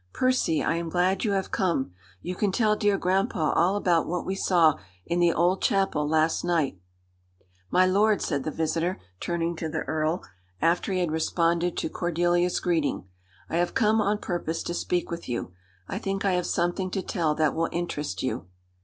"Percy, I am glad you have come. You can tell dear grandpa all about what we saw in the old chapel last night." "My lord," said the visitor, turning to the earl, after he had responded to Cordelia's greeting, "I have come on purpose to speak with you. I think I have something to tell that will interest you."